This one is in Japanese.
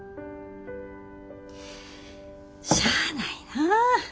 しゃあないな。